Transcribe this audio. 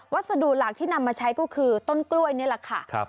สูหลักที่นำมาใช้ก็คือต้นกล้วยนี่แหละค่ะ